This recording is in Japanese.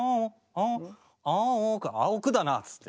「青く青」「青く」だなっつって。